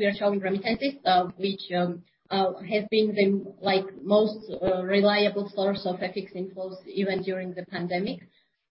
We are showing remittances, which have been the, like, most reliable source of FX inflows even during the pandemic.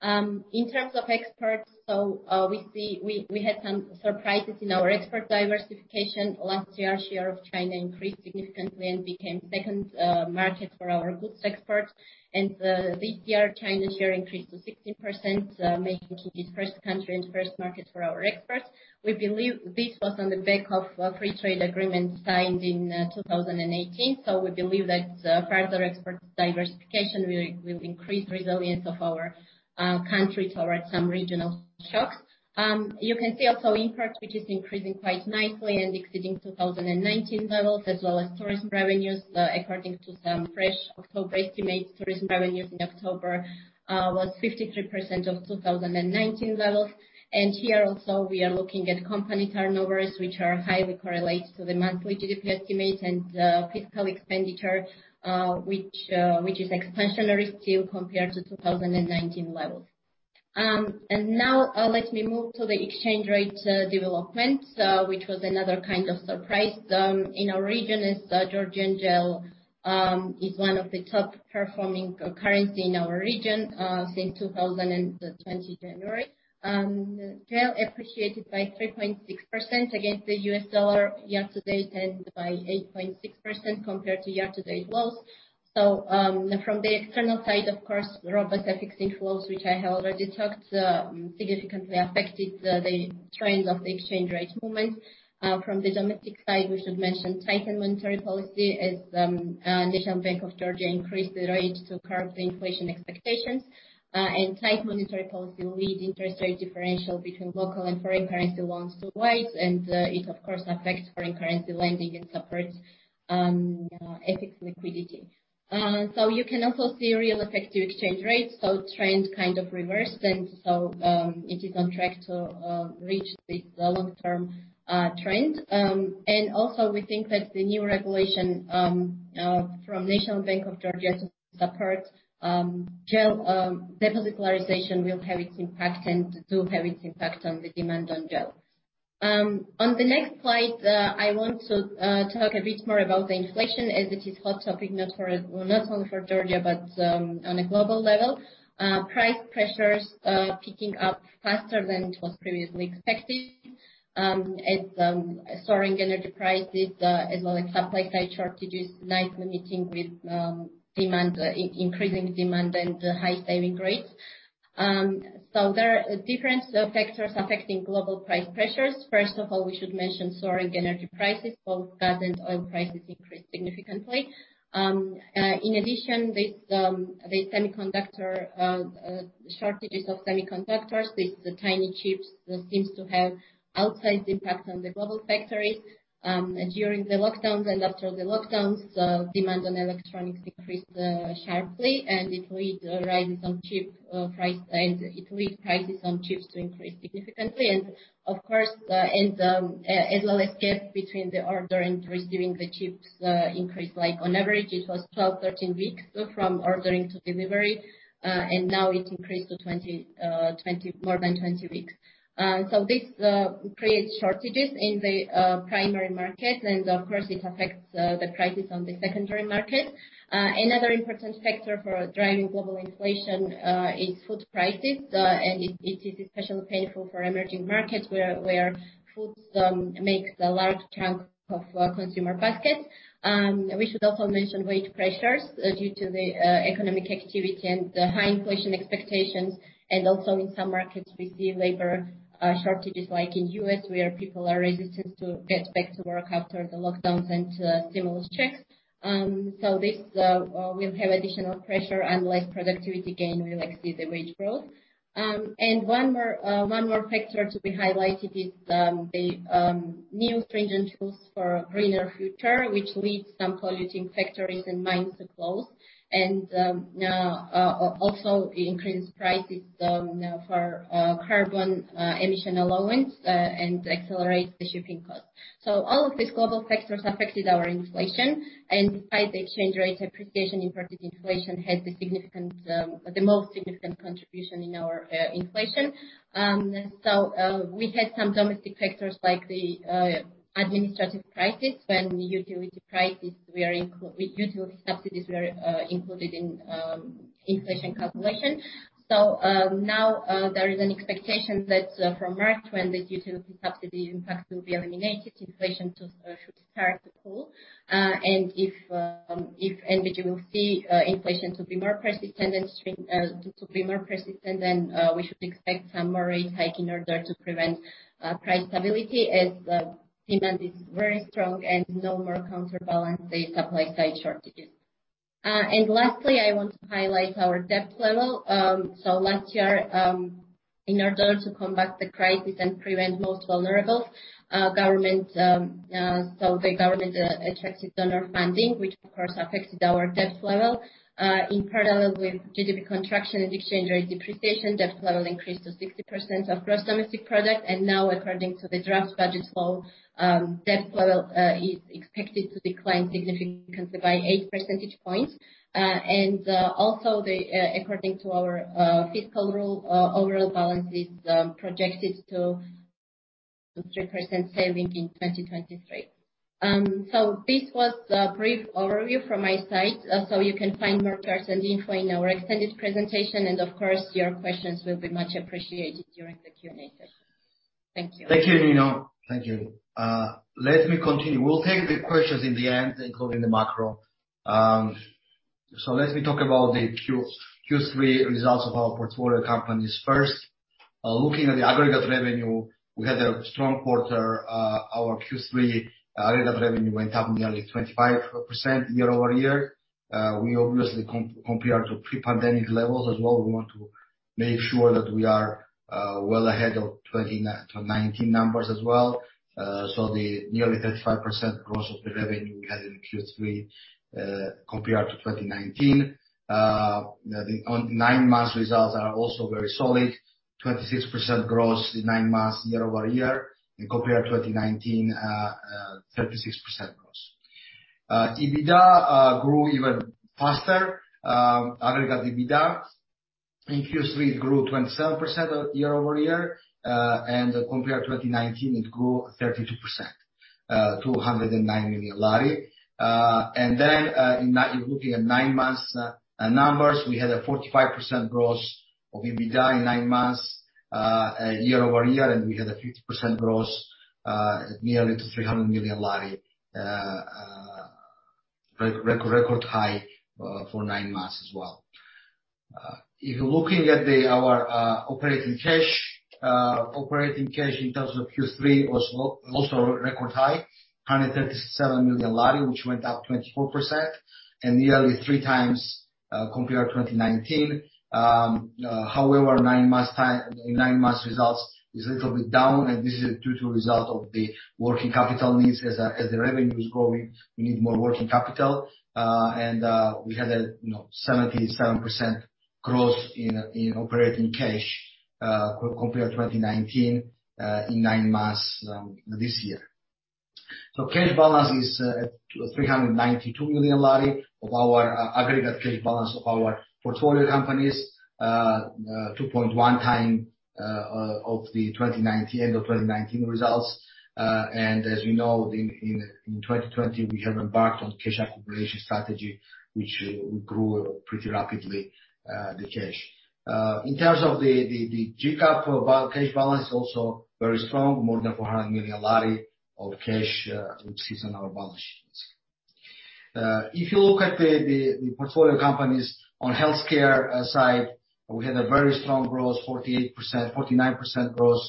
In terms of exports, we had some surprises in our export diversification. Last year, share of China increased significantly and became second market for our goods export. This year, China's share increased to 16%, making it the first country and first market for our exports. We believe this was on the back of the Free Trade Agreement signed in 2018. We believe that further export diversification will increase resilience of our country towards some regional shocks. You can see also imports, which is increasing quite nicely and exceeding 2019 levels as well as tourism revenues. According to some fresh October estimates, tourism revenues in October was 53% of 2019 levels. Here also we are looking at company turnovers, which are highly correlated to the monthly GDP estimate and fiscal expenditure, which is expansionary still compared to 2019 levels. Now let me move to the exchange rate development, which was another kind of surprise in our region as Georgian GEL is one of the top performing currency in our region since January 2020. GEL appreciated by 3.6% against the U.S. dollar year-to-date and by 8.6% compared to year-to-date lows. From the external side, of course, robust FX inflows, which I have already talked, significantly affected the trends of the exchange rate movement. From the domestic side, we should mention tightened monetary policy as National Bank of Georgia increased the rates to curb the inflation expectations. Tight monetary policy will lead interest rate differential between local and foreign currency loans to rise. It of course affects foreign currency lending and supports FX liquidity. You can also see real effective exchange rates. Trend kind of reversed. It is on track to reach the long-term trend. Also we think that the new regulation from National Bank of Georgia to support GEL de-dollarization will have its impact and do have its impact on the demand on gel. On the next slide, I want to talk a bit more about the inflation as it is hot topic, not for, well, not only for Georgia, but on a global level. Price pressures picking up faster than it was previously expected, as soaring energy prices as well as supply-side shortages along with increasing demand and high saving rates. There are different factors affecting global price pressures. First of all, we should mention soaring energy prices. Both gas and oil prices increased significantly. In addition, with the semiconductor shortages of semiconductors, these are tiny chips that seem to have outsized impact on the global factories. During the lockdowns and after the lockdowns, demand for electronics increased sharply. It led prices on chips to increase significantly. Of course, as well as the gap between the order and receiving the chips increased, like on average it was 12-13 weeks from ordering to delivery. Now it increased to 20, more than 20 weeks. This creates shortages in the primary market, and of course it affects the prices on the secondary market. Another important factor for driving global inflation is food prices. It is especially painful for emerging markets where food makes a large chunk of consumer basket. We should also mention wage pressures due to the economic activity and the high inflation expectations. Also in some markets we see labor shortages like in U.S., where people are resistant to get back to work after the lockdowns and stimulus checks. This will have additional pressure and less productivity gain. We will see the wage growth. One more factor to be highlighted is the new stringent tools for a greener future, which leads some polluting factories and mines to close, and also increased prices for carbon emission allowance and accelerates the shipping cost. All of these global factors affected our inflation. Despite the exchange rate appreciation, imported inflation had the most significant contribution in our inflation. We had some domestic factors like the administrative prices when utility subsidies were included in inflation calculation. There is an expectation that from March when the utility subsidy impact will be eliminated, inflation should start to fall. If NBG will see inflation to be more persistent than expected, we should expect some more rate hike in order to preserve price stability as demand is very strong and no more counterbalances the supply side shortages. Lastly, I want to highlight our debt level. Last year, in order to combat the crisis and prevent most vulnerable, the government attracted donor funding, which of course affected our debt level. In parallel with GDP contraction and exchange rate depreciation, debt level increased to 60% of gross domestic product. Now, according to the draft budget, debt level is expected to decline significantly by 8 percentage points. Also, according to our fiscal rule, overall balance is projected to 3% saving in 2023. This was a brief overview from my side. You can find more detailed info in our extended presentation, and of course, your questions will be much appreciated during the Q&A session. Thank you. Thank you, Nino. Thank you. Let me continue. We'll take the questions in the end, including the macro. So let me talk about the Q3 results of our portfolio companies first. Looking at the aggregate revenue, we had a strong quarter. Our Q3 revenue went up nearly 25% year-over-year. We obviously compare to pre-pandemic levels as well. We want to make sure that we are well ahead of 2019 numbers as well. So the nearly 35% growth of the revenue we had in Q3 compared to 2019. The nine months results are also very solid. 26% growth for the nine months year-over-year and compared to 2019, 36%. EBITDA grew even faster. Aggregate EBITDA in Q3 grew 27% year-over-year. Compared to 2019, it grew 32% to GEL 109 million. Looking at nine months numbers, we had a 45% growth of EBITDA in nine months year-over-year, and we had a 50% growth nearly to GEL 300 million, record high for nine months as well. If you're looking at our operating cash in terms of Q3 was also record high, GEL 137 million, which went up 24% and nearly 3x compared to 2019. However, nine months results is a little bit down, and this is due to result of the working capital needs. As the revenue is growing, we need more working capital. We had, you know, 77% growth in operating cash, compared to 2019, in nine months, this year. Cash balance is GEL 392 million of our aggregate cash balance of our portfolio companies. 2.1x of the 2019 end of 2019 results. As you know, in 2020, we have embarked on cash accumulation strategy, which we grew pretty rapidly, the cash. In terms of the GCAP cash balance, also very strong, more than GEL 400 million of cash, which sits on our balance sheets. If you look at the portfolio companies on healthcare side, we had a very strong growth, 48%... 49% growth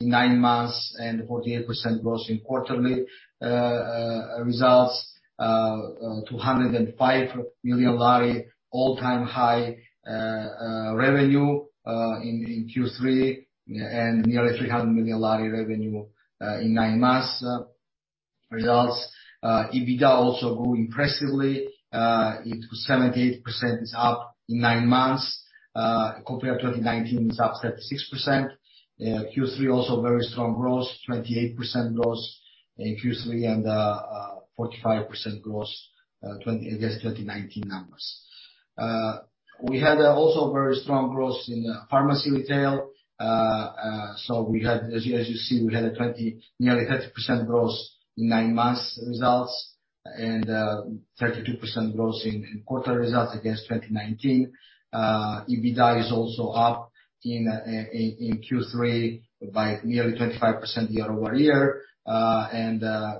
in nine months and 48% growth in quarterly results. GEL 205 million all-time high revenue in Q3 and nearly GEL 300 million revenue in nine months results. EBITDA also grew impressively. It was 78% up in nine months. Compared to 2019, it's up 36%. Q3 also very strong growth, 28% growth in Q3 and 45% growth against 2019 numbers. We had also very strong growth in pharmacy retail. So we had, as you see, we had nearly 30% growth in nine months results and 32% growth in quarter results against 2019. EBITDA is also up in Q3 by nearly 25% year-over-year.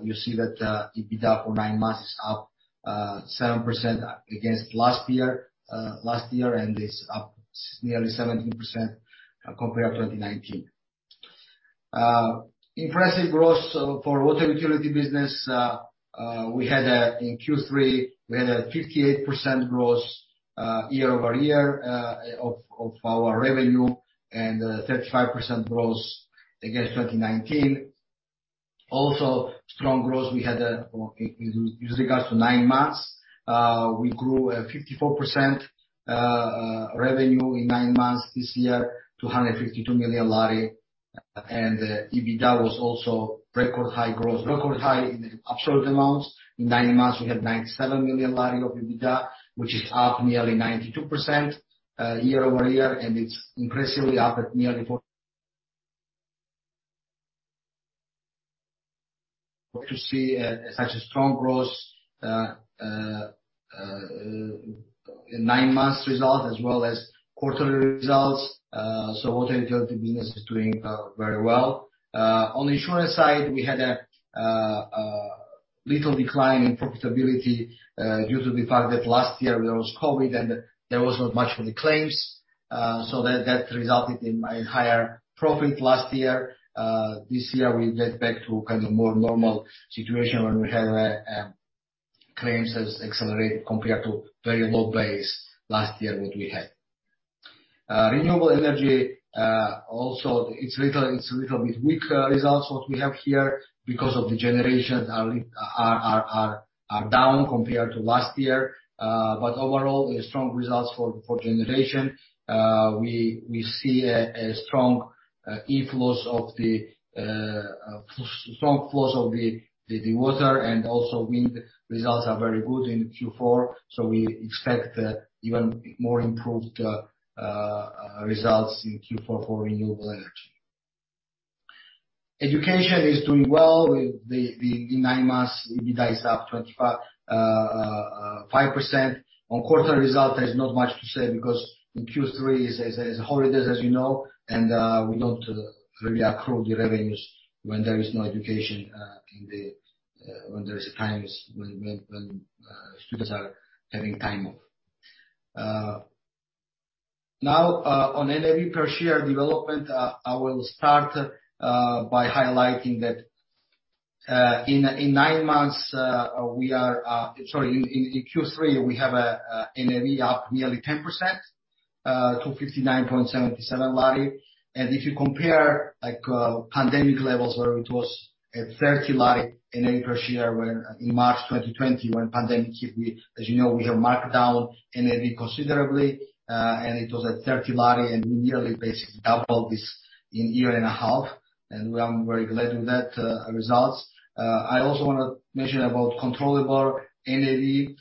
You see that EBITDA for nine months is up 7% against last year, and it's up nearly 17% compared to 2019. Impressive growth for water utility business. In Q3, we had 58% growth year-over-year of our revenue and 35% growth against 2019. Also, strong growth we had in regards to nine months. We grew 54% revenue in nine months this year to GEL 152 million. EBITDA was also record high growth, record high in absolute amounts. In nine months, we had GEL 97 million of EBITDA, which is up nearly 92%, year-over-year. It's impressive to see such a strong growth in nine months results as well as quarterly results. Water utility business is doing very well. On insurance side, we had a little decline in profitability due to the fact that last year there was COVID and there was not much for the claims. That resulted in a higher profit last year. This year we get back to kind of more normal situation when we have claims has accelerated compared to very low base last year that we had. Renewable energy also it's a little bit weaker results what we have here because the generations are down compared to last year. Overall, strong results for generation. We see strong flows of the water and also wind results are very good in Q4, so we expect even more improved results in Q4 for renewable energy. Education is doing well. With the nine months, EBITDA is up 25%. On quarter result, there's not much to say because in Q3 is holidays, as you know, and we don't really accrue the revenues when there is no education, when there's times when students are having time off. Now, on NAV per share development, I will start by highlighting that in Q3, we have a NAV up nearly 10% to GEL 59.77. If you compare like pandemic levels, where it was at GEL 30 NAV per share when in March 2020, when pandemic hit, as you know, we have marked down NAV considerably, and it was at GEL 30, and we nearly basically doubled this in year and a half. We're very glad with that results. I also wanna mention about controllable NAV,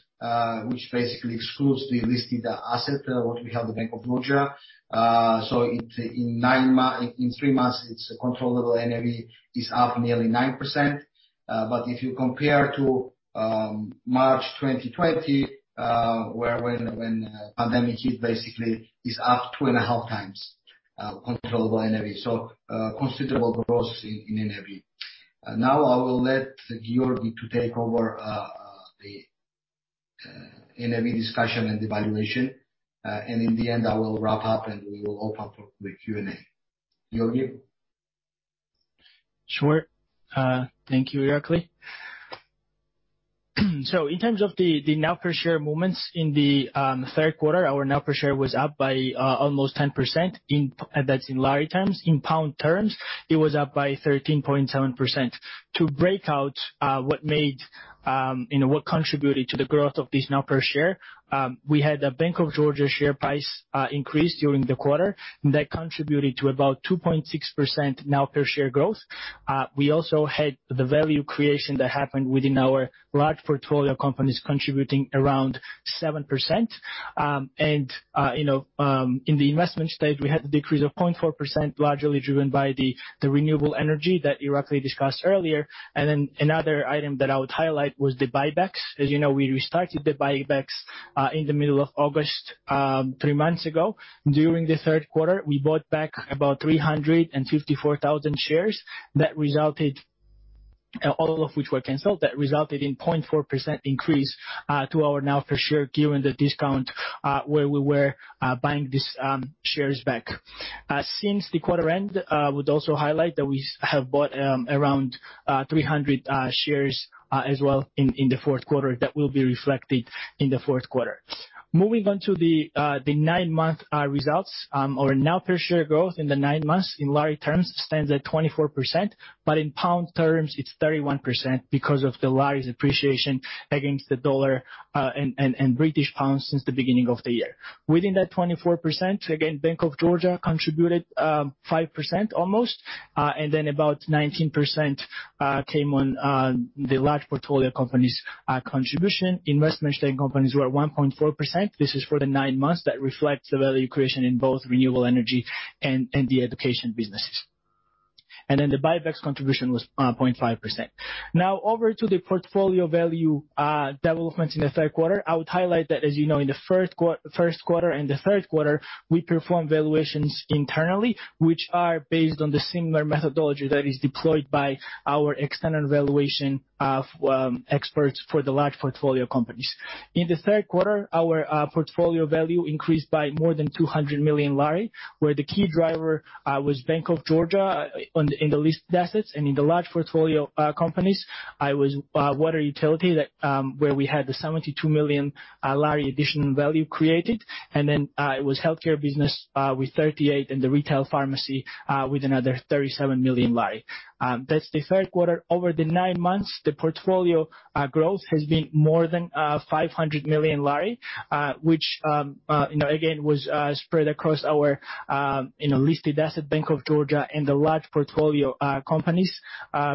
which basically excludes the listed asset that we have, the Bank of Georgia. So in three months, its controllable NAV is up nearly 9%. If you compare to March 2020, when the pandemic hit basically, it's up 2.5x controllable NAV. Considerable growth in NAV. I will let Georgi to take over the NAV discussion and the valuation. In the end, I will wrap up, and we will open for the Q&A. Giorgi? Sure. Thank you, Irakli. In terms of the NAV per share movements in the third quarter, our NAV per share was up by almost 10%. That's in Lari terms. In pound terms, it was up by 13.7%. To break out what made, you know, what contributed to the growth of this NAV per share, we had the Bank of Georgia share price increase during the quarter. That contributed to about 2.6% NAV per share growth. We also had the value creation that happened within our large portfolio companies contributing around 7%. In the investment stage, we had a decrease of 0.4%, largely driven by the renewable energy that Irakli discussed earlier. Another item that I would highlight was the buybacks. As you know, we restarted the buybacks in the middle of August three months ago. During the third quarter, we bought back about 354,000 shares. All of which were canceled. That resulted in 0.4% increase to our NAV per share given the discount where we were buying these shares back. Since the quarter end, would also highlight that we have bought around 300 shares as well in the fourth quarter. That will be reflected in the fourth quarter. Moving on to the nine month results. Our NAV per share growth in the nine months in Lari terms stands at 24%. In pound terms, it's 31% because of the Lari's appreciation against the dollar and British pound since the beginning of the year. Within that 24%, again, Bank of Georgia contributed 5% almost. Then about 19% came from the large portfolio companies' contribution. Investment and companies were at 1.4%, this is for the nine months, that reflects the value creation in both renewable energy and the education businesses. Then the buybacks contribution was 0.5%. Now over to the portfolio value developments in the third quarter. I would highlight that, as you know, in the first quarter and the third quarter, we performed valuations internally, which are based on the similar methodology that is deployed by our external valuation experts for the large portfolio companies. In the third quarter, our portfolio value increased by more than GEL 200 million, where the key driver was Bank of Georgia in the listed assets. In the large portfolio companies was water utility where we had the GEL 72 million additional value created. It was healthcare business with GEL 38 million, and the retail pharmacy with another GEL 37 million. That's the third quarter. Over the nine months, the portfolio growth has been more than GEL 500 million, which you know, again, was spread across our you know listed asset Bank of Georgia and the large portfolio companies,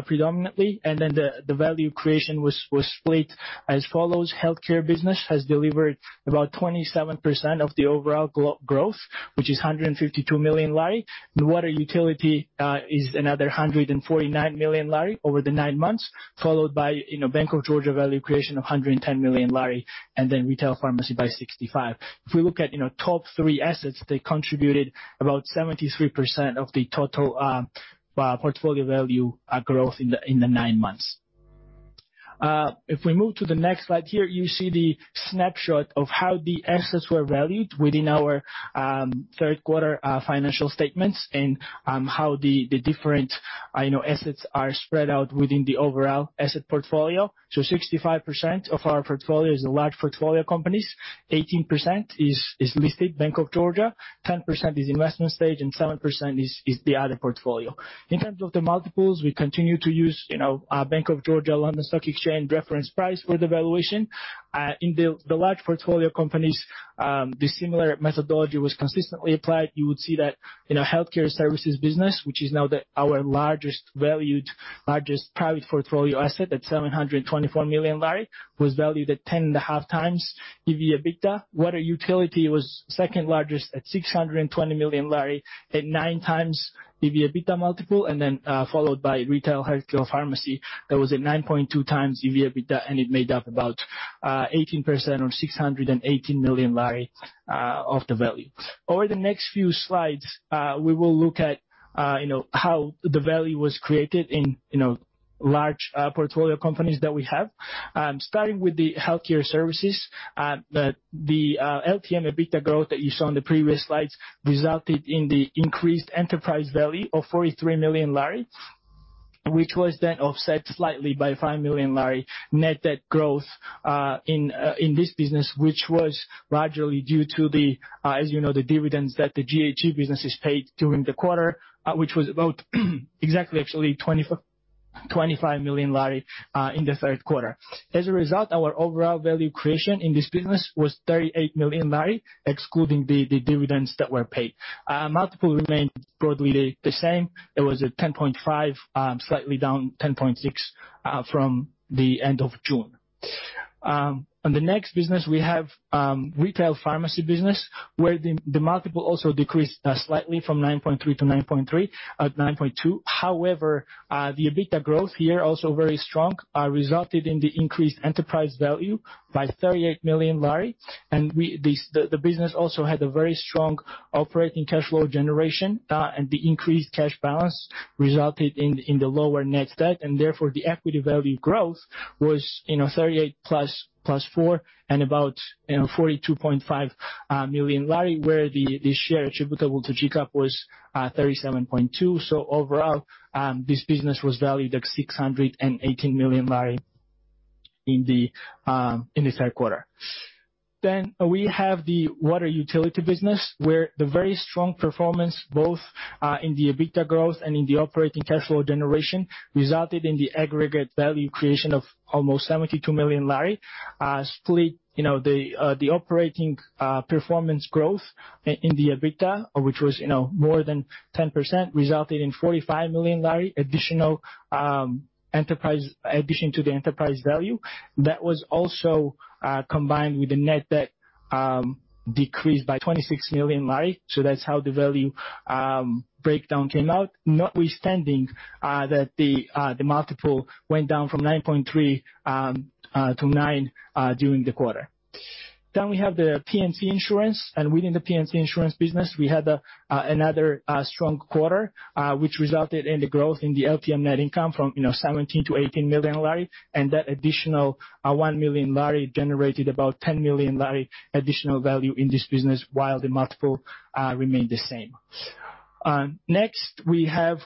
predominantly. The value creation was split as follows: healthcare business has delivered about 27% of the overall growth, which is GEL 152 million. The water utility is another GEL 149 million over the nine months, followed by, you know, Bank of Georgia value creation of GEL 110 million, and then retail pharmacy by GEL 65 million. If we look at, you know, top three assets, they contributed about 73% of the total portfolio value growth in the nine months. If we move to the next slide here, you see the snapshot of how the assets were valued within our third quarter financial statements and how the different, you know, assets are spread out within the overall asset portfolio. 65% of our portfolio is the large portfolio companies, 18% is listed Bank of Georgia, 10% is investment stage, and 7% is the other portfolio. In terms of the multiples, we continue to use, you know, Bank of Georgia London Stock Exchange reference price for the valuation. In the large portfolio companies, the similar methodology was consistently applied. You would see that in our healthcare services business, which is now our largest valued, largest private portfolio asset at GEL 724 million, was valued at 10.5x EBITDA. Water utility was second largest at GEL 620 million at 9x the EBITDA multiple, and then followed by retail healthcare pharmacy that was at 9.2x EBITDA, and it made up about 18% or GEL 618 million of the value. Over the next few slides, we will look at you know how the value was created in you know large portfolio companies that we have. Starting with the healthcare services, the LTM EBITDA growth that you saw on the previous slides resulted in the increased enterprise value of GEL 43 million, which was then offset slightly by GEL 5 million net debt growth in this business, which was largely due to, as you know, the dividends that the GHG businesses paid during the quarter, which was about exactly actually GEL 25 million in the third quarter. As a result, our overall value creation in this business was GEL 38 million, excluding the dividends that were paid. Multiple remained broadly the same. It was at 10.5%, slightly down from 10.6% at the end of June. On the next business we have, retail pharmacy business, where the multiple also decreased slightly from 9.3% to 9.2%. However, the EBITDA growth here, also very strong, resulted in the increased enterprise value by GEL 38 million. The business also had a very strong operating cash flow generation, and the increased cash balance resulted in the lower net debt, and therefore, the equity value growth was, you know, GEL 38 million plus GEL 4 million and about, you know, GEL 42.5 million, where the share attributable to GCAP was GEL 37.2 million. Overall, this business was valued at GEL 618 million in the third quarter. We have the water utility business, where the very strong performance, both, in the EBITDA growth and in the operating cash flow generation, resulted in the aggregate value creation of almost GEL 72 million. Split, the operating performance growth in the EBITDA, which was more than 10%, resulted in GEL 45 million additional enterprise addition to the enterprise value. That was also combined with the net debt decreased by GEL 26 million. That's how the value breakdown came out, notwithstanding that the multiple went down from 9.3% to 9% during the quarter. We have the P&C insurance, and within the P&C insurance business, we had another strong quarter, which resulted in the growth in the LTM net income from you know GEL 17 million-GEL 18 million. That additional GEL 1 million generated about GEL 10 million additional value in this business, while the multiple remained the same. Next we have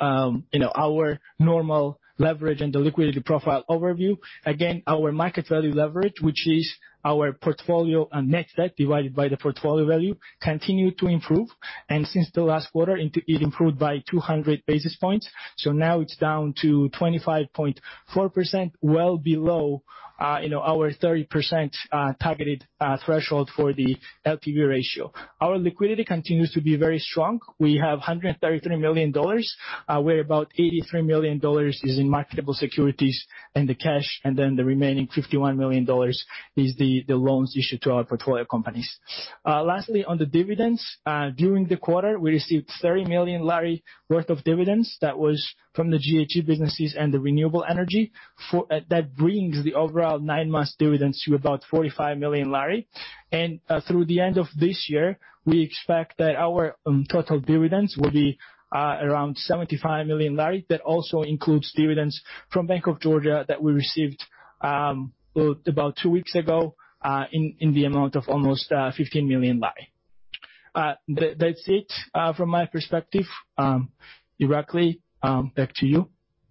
you know our normal leverage and the liquidity profile overview. Again, our market value leverage, which is our portfolio and net debt divided by the portfolio value, continued to improve. Since the last quarter it improved by 200 basis points. Now it's down to 25.4%, well below you know our 30% targeted threshold for the LTV ratio. Our liquidity continues to be very strong. We have $133 million, where about $83 million is in marketable securities and the cash, and then the remaining $51 million is the loans issued to our portfolio companies. Lastly, on the dividends, during the quarter, we received GEL 30 million worth of dividends. That was from the GHG businesses and the renewable energy. For that brings the overall nine months dividends to about GEL 45 million. Through the end of this year, we expect that our total dividends will be around GEL 75 million. That also includes dividends from Bank of Georgia that we received about two weeks ago in the amount of almost GEL 15 million. That's it from my perspective. Irakli, back to you.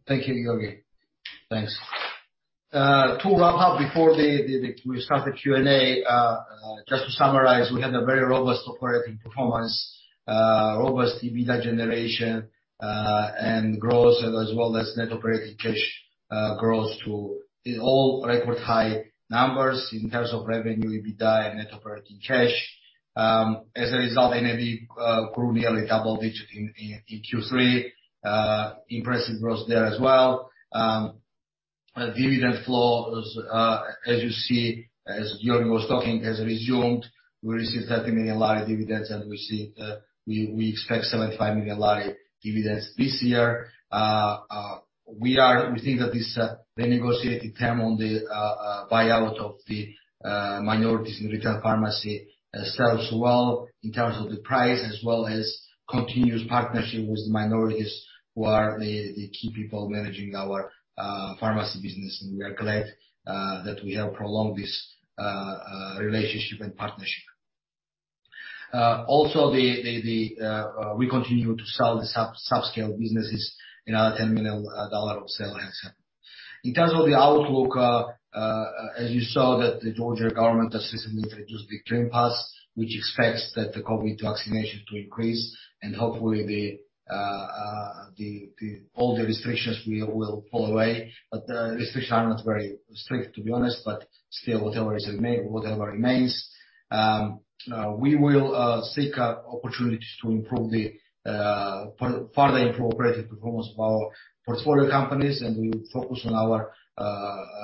Thank you, Giorgi. Thanks. To wrap up before we start the Q&A, just to summarize, we had a very robust operating performance, robust EBITDA generation, and growth, as well as net operating cash growth to all record high numbers in terms of revenue, EBITDA, and net operating cash. As a result, NAV grew nearly double digit in Q3. Impressive growth there as well. Dividend flow, as you see, as Giorgi was talking, has resumed. We received GEL 30 million dividends, and we expect GEL 75 million dividends this year. We think that this, the negotiated term on the buyout of the minorities in retail pharmacy serves well in terms of the price, as well as continuous partnership with the minorities who are the key people managing our pharmacy business. We are glad that we have prolonged this relationship and partnership. Also, we continue to sell the subscale businesses, you know, $10 million of sale and so on. In terms of the outlook, as you saw that the Georgian government has recently introduced the Green Pass, which expects that the COVID vaccination to increase and hopefully all the restrictions will fall away. The restrictions are not very strict, to be honest but still whatever remains, we will seek out opportunities to further improve operating performance of our portfolio companies. We will focus on our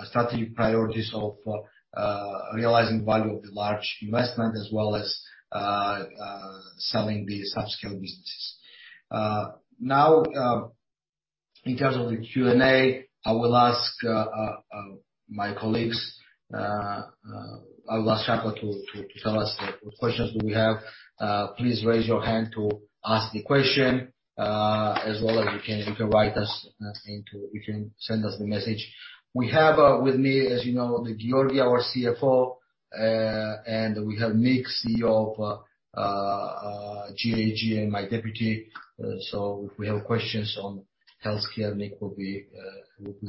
strategic priorities of realizing value of the large investment as well as selling the upscale businesses. Now, in terms of the Q&A, I will ask my colleagues. I will ask Shalva to tell us what questions we have. Please raise your hand to ask the question. As well as you can, you can write us into. You can send us the message. We have with me, as you know, Giorgi, our CFO. And we have Nick, CEO of GHG and my deputy. If we have questions on healthcare, Nick will be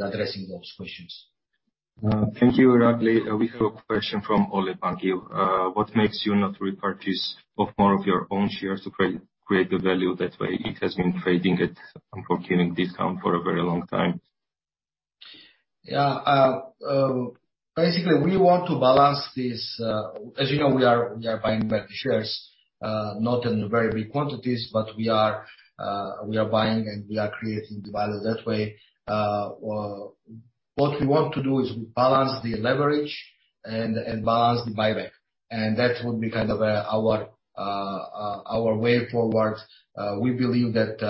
addressing those questions. Thank you, Irakli. We have a question from Oleg Pankiv. What makes you not repurchase of more of your own shares to create the value that way? It has been trading at, unfortunately, discount for a very long time. Yeah. Basically, we want to balance this. As you know, we are buying back the shares, not in very big quantities, but we are buying and we are creating the value that way. What we want to do is balance the leverage and balance the buyback. That would be kind of our way forward. We believe that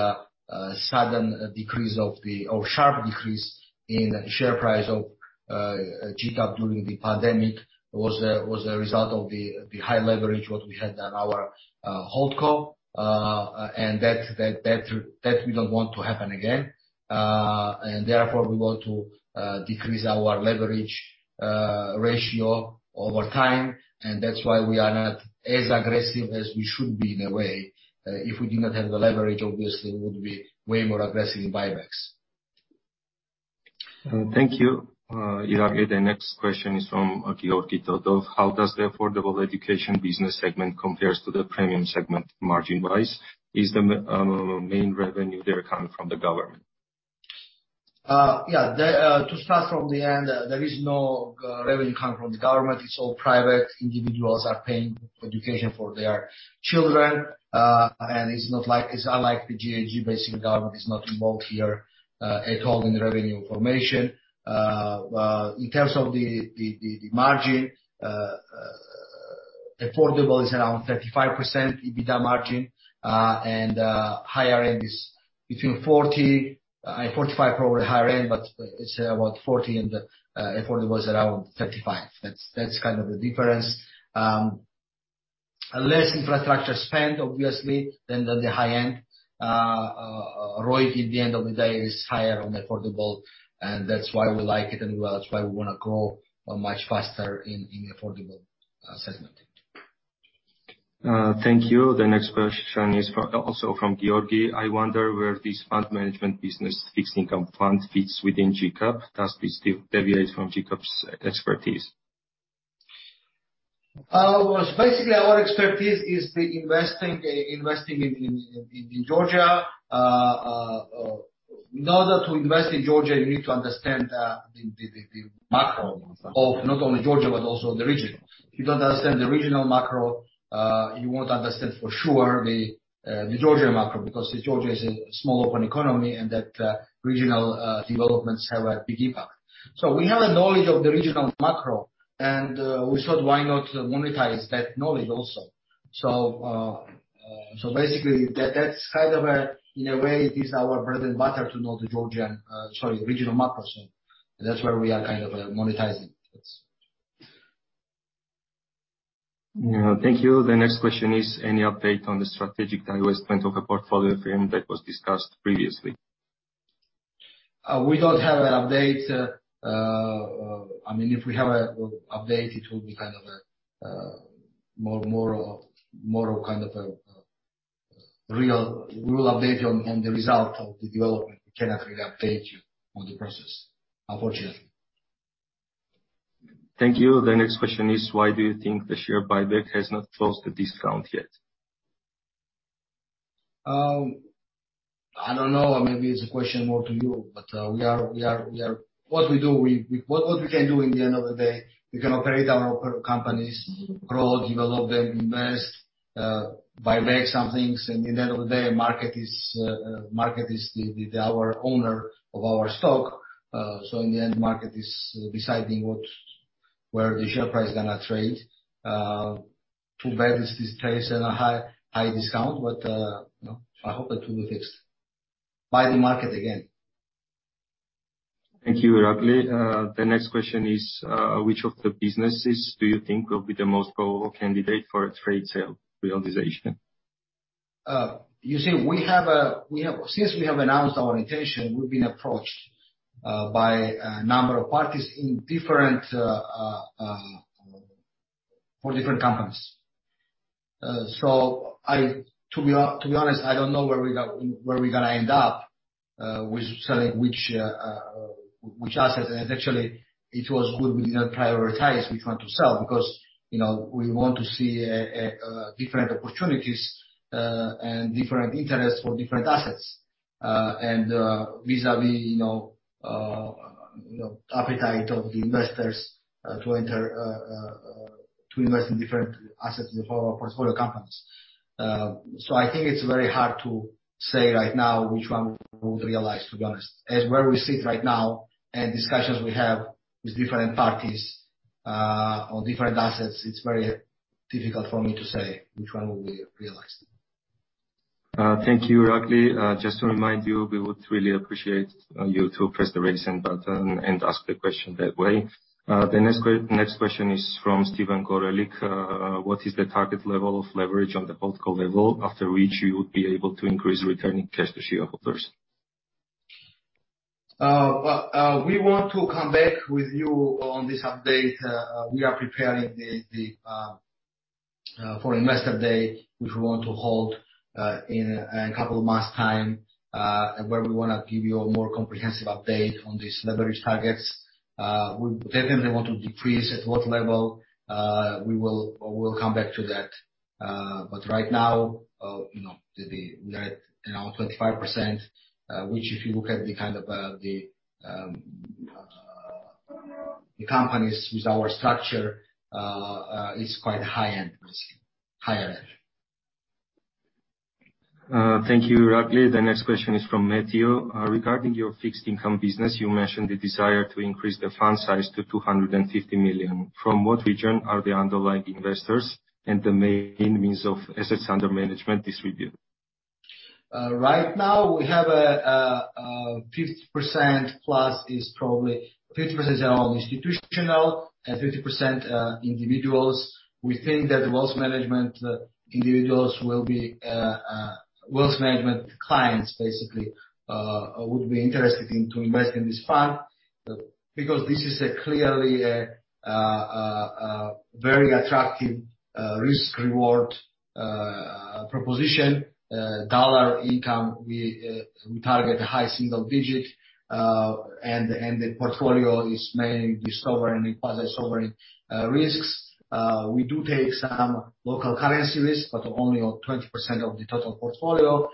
a sudden decrease or sharp decrease in share price of GCAP during the pandemic was a result of the high leverage what we had on our HoldCo. That we don't want to happen again. Therefore we want to decrease our leverage ratio over time. That's why we are not as aggressive as we should be in a way. If we did not have the leverage, obviously we would be way more aggressive in buybacks. Thank you, Irakli. The next question is from Georgy Todorov. How does the affordable education business segment compares to the premium segment margin-wise? Is the main revenue there coming from the government? To start from the end, there is no revenue coming from the government. It's all private. Individuals are paying education for their children. It's unlike the GHG. Basically, government is not involved here at all in the revenue formation. In terms of the margin, affordable is around 35% EBITDA margin. Higher end is between 40% and 45% probably higher end, but it's about 40% and the affordable is around 35%. That's kind of the difference. Less infrastructure spend obviously than the high end. ROI at the end of the day is higher on affordable, and that's why we like it. That's why we wanna grow much faster in the affordable segment. The next question is also from Georgi. I wonder where this fund management business fixed income fund fits within GCAP. Does this still deviate from GCAP's expertise? Well, basically, our expertise is investing in Georgia. In order to invest in Georgia, you need to understand the macro of not only Georgia, but also the region. If you don't understand the regional macro, you won't understand for sure the Georgia macro. Because Georgia is a small open economy and regional developments have a big impact. We have a knowledge of the regional macro, and we thought, "Why not monetize that knowledge also?" Basically that's kind of a, in a way, it is our bread and butter to know the regional macro scene. That's where we are kind of monetizing it. Yeah. Thank you. The next question is, any update on the strategic divestment of a portfolio firm that was discussed previously? We don't have an update. I mean, if we have an update, it will be kind of a more of kind of a real update on the result of the development. We cannot really update you on the process, unfortunately. Thank you. The next question is, why do you think the share buyback has not closed the discount yet? I don't know. Maybe it's a question more to you. We are what we can do in the end of the day. We can operate our operating companies, grow, develop them, invest, buy back some things. In the end of the day, market is the owner of our stock. In the end, market is deciding what where the share price gonna trade. Too bad it's trading at a high discount. You know, I hope that will be fixed by the market again. Thank you, Irakli. The next question is, which of the businesses do you think will be the most probable candidate for a trade sale realization? Since we have announced our intention, we've been approached by a number of parties interested in different companies. To be honest, I don't know where we're gonna end up with selling which asset. Actually, it was good we did not prioritize which one to sell, because, you know, we want to see different opportunities and different interests for different assets vis-à-vis, you know, appetite of the investors to invest in different assets in the portfolio companies. I think it's very hard to say right now which one would realize, to be honest. As we sit right now and discussions we have with different parties on different assets, it's very difficult for me to say which one will be realized. Thank you, Irakli. Just to remind you, we would really appreciate you to press the Raise Hand button and ask the question that way. The next question is from Steven Gorelik. What is the target level of leverage at the portfolio level after which you would be able to increase return of cash to shareholders? We want to come back with you on this update. We are preparing for investor day, which we want to hold in a couple of months time, where we wanna give you a more comprehensive update on these leverage targets. We definitely want to decrease. At what level we'll come back to that. Right now, you know, we are at around 25%, which if you look at the kind of companies with our structure is quite high-end, you see. Higher end. Thank you, Irakli. The next question is from Matthew. Regarding your fixed income business, you mentioned the desire to increase the fund size to GEL 250 million. From what region are the underlying investors and the main regions of assets under management distributed? Right now, we have 50% institutional and 50% individuals. We think that wealth management clients basically would be interested in to invest in this fund. Because this is clearly a very attractive risk-reward proposition. Dollar income, we target a high single digit. The portfolio is mainly sovereign quasi-sovereign risks. We do take some local currency risks, but only on 20% of the total portfolio.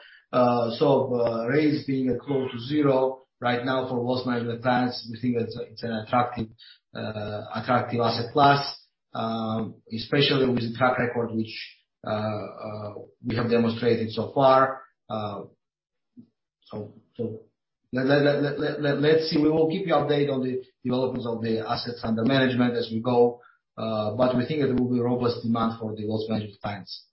Rates being close to zero right now for wealth management clients, we think it's an attractive asset class, especially with the track record which we have demonstrated so far. Let's see. We will keep you updated on the developments of the assets under management as we go, but we think it will be robust demand for the wealth management clients.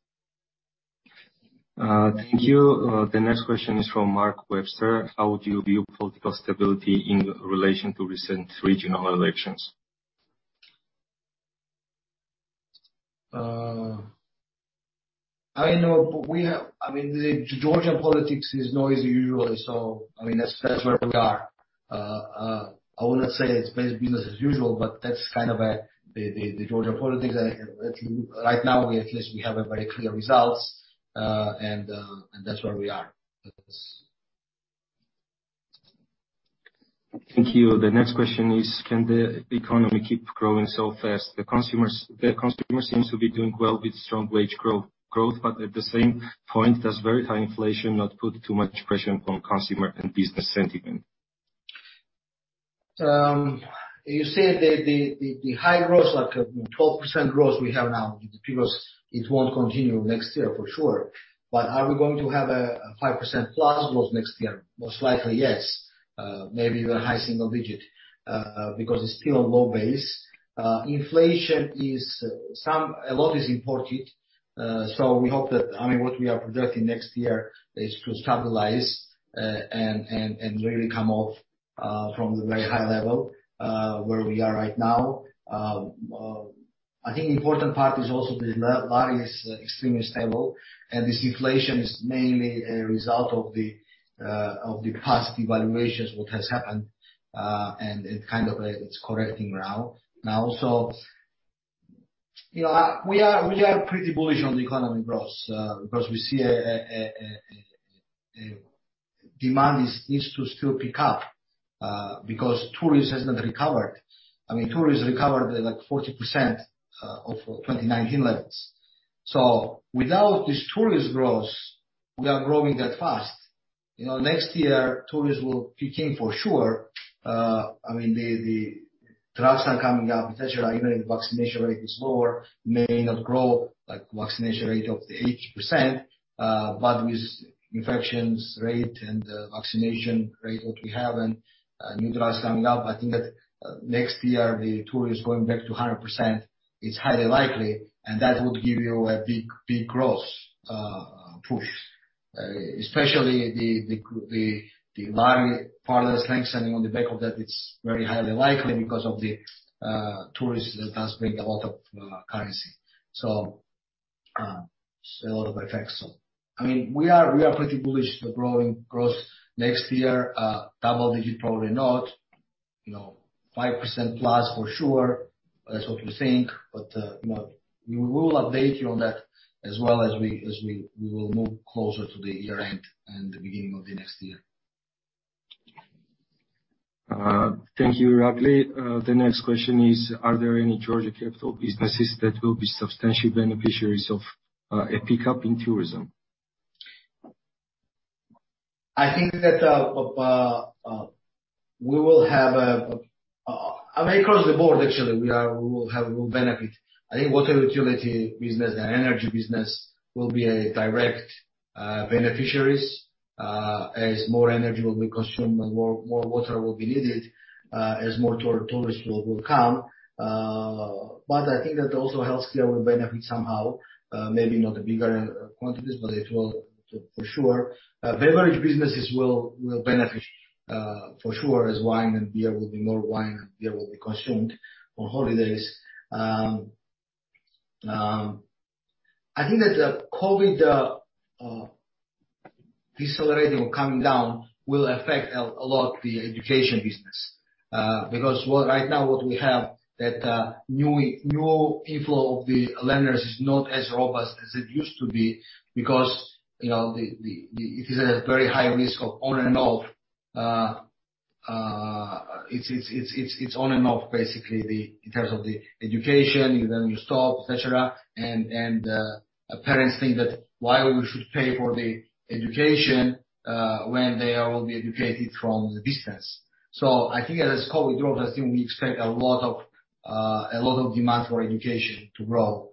The next question is from Mark Webster. How would you view political stability in relation to recent regional elections? I know we have I mean, the Georgian politics is noisy usually, so I mean, that's where we are. I wouldn't say it's business as usual, but that's kind of the Georgian politics. Right now we at least have a very clear results, and that's where we are. Thank you. The next question is, can the economy keep growing so fast? The consumer seems to be doing well with strong wage growth, but at the same point, does very high inflation not put too much pressure on consumer and business sentiment? You say the high growth, like, 12% growth we have now, because it won't continue next year, for sure. Are we going to have a 5%+ growth next year? Most likely, yes. Maybe even high single digit, because it's still a low base. A lot is imported, so we hope that I mean, what we are projecting next year is to stabilize and really come off from the very high level where we are right now. I think important part is also the Lari is extremely stable, and this inflation is mainly a result of the past devaluations, what has happened, and it kind of, it's correcting now. Now you know, we are pretty bullish on the economy growth, because we see a demand is to still pick up, because tourism has not recovered. I mean, tourist recovered like 40% of 29 Hemlands. Without this tourism growth, we are growing that fast. You know, next year, tourism will kick in for sure. I mean, the trucks are coming up, et cetera, even if vaccination rate is lower, may not grow like vaccination rate of the 80%. With infections rate and vaccination rate that we have and new drugs coming up, I think that next year the tourist going back to 100% is highly likely, and that would give you a big, big growth push. Especially the Lari part of the strength standing on the back of that, it's very highly likely because of the tourists that does bring a lot of currency. A lot of effects. I mean, we are pretty bullish for growth next year. Double-digit, probably not. You know, 5% plus for sure. That's what we think. You know, we will update you on that as we will move closer to the year-end and the beginning of the next year. Thank you, Irakli. The next question is, are there any Georgia Capital businesses that will be substantial beneficiaries of a pickup in tourism? I think that we will have, I mean, across the board actually, we will have. We'll benefit. I think water utility business and energy business will be direct beneficiaries, as more energy will be consumed and more water will be needed, as more tourists will come. I think that also healthcare will benefit somehow, maybe not bigger quantities, but it will for sure. Beverage businesses will benefit, for sure, as more wine and beer will be consumed on holidays. I think that the COVID decelerating or coming down will affect a lot the education business. Because what right now, what we have that new inflow of the lenders is not as robust as it used to be because, you know, it is at a very high risk of on and off. It's on and off basically in terms of the education, then you stop, et cetera. Parents think that why we should pay for the education when they all will be educated from the distance. I think as COVID grows, I think we expect a lot of demand for education to grow.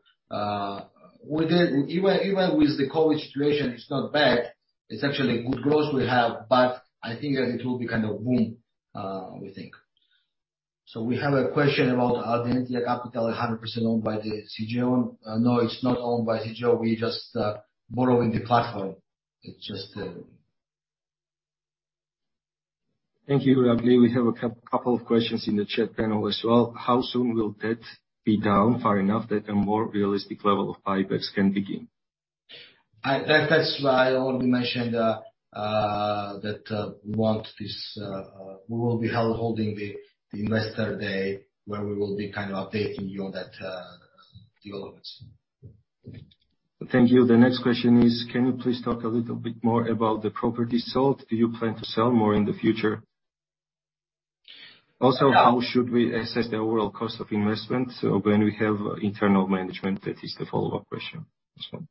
Even with the COVID situation, it's not bad. It's actually good growth we have, but I think that it will be kind of boom, we think. We have a question about Ardentia Capital 100% owned by the CGEO. No, it's not owned by CGEO. We just borrowing the platform. It's just, Thank you, Irakli. We have a couple of questions in the chat panel as well. How soon will debt be down far enough that a more realistic level of buybacks can begin? That's why I already mentioned that we will be holding the investor day, where we will be kind of updating you on the developments. Thank you. The next question is, can you please talk a little bit more about the property sold? Do you plan to sell more in the future? Yeah. How should we assess the overall cost of investment, so when we have internal management? That is the follow-up question as well.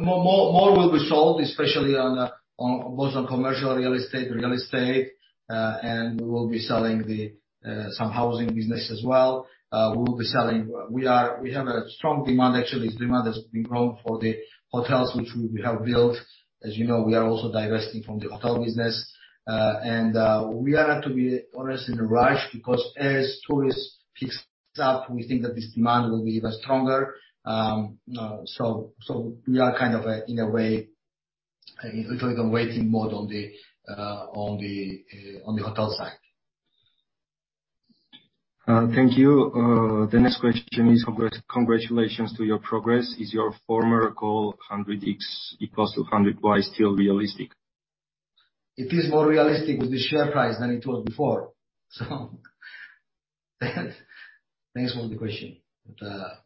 More will be sold, especially on commercial real estate. We will be selling then some housing business as well. We have a strong demand. Actually, it's demand that's grown for the hotels which we have built. As you know, we are also divesting from the hotel business. We are not, to be honest, in a rush, because as tourist picks up, we think that this demand will be even stronger. We are kind of, in a way, literally in waiting mode on the hotel side. Thank you. The next question is congratulations to your progress. Is your former goal, 100x equals to 100Y still realistic? It is more realistic with the share price than it was before. Thanks for the question.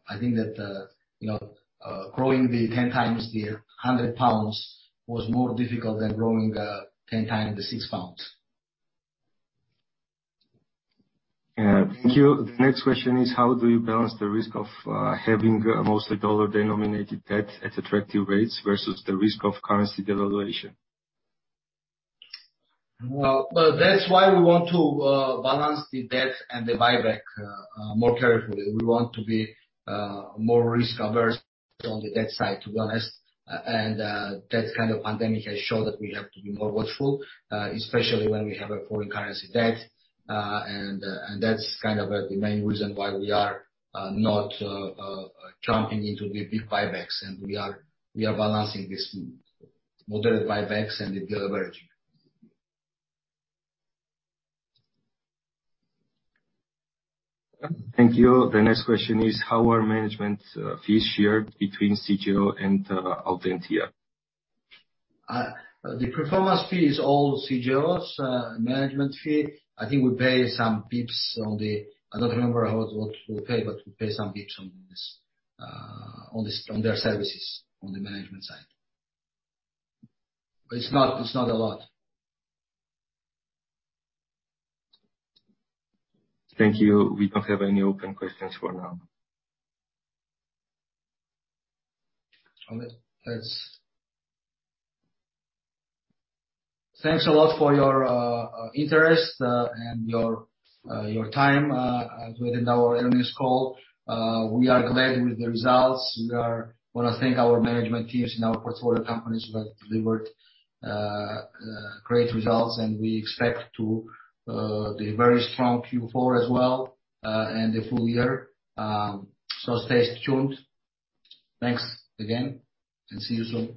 I think that, you know, growing the 10 times the 100 pounds was more difficult than growing 10 times the 6 pounds. Yeah. Thank you. The next question is, how do you balance the risk of having mostly dollar-denominated debt at attractive rates versus the risk of currency devaluation? Well, that's why we want to balance the debt and the buyback more carefully. We want to be more risk-averse on the debt side, to be honest. That kind of pandemic has showed that we have to be more watchful, especially when we have a foreign currency debt. That's kind of the main reason why we are not jumping into the big buybacks. We are balancing this moderate buybacks and the deleveraging. Thank you. The next question is, how are management fees shared between CGEO and Aventura? The performance fee is all CGEO's. Management fee, I think we pay some basis points. I don't remember what we pay, but we pay some basis points on this, on their services on the management side. It's not a lot. Thank you. We don't have any open questions for now. Thanks a lot for your interest, and your time within our earnings call. We are glad with the results. Wanna thank our management teams and our portfolio companies who have delivered great results, and we expect to do a very strong Q4 as well, and the full year. Stay tuned. Thanks again, and see you soon.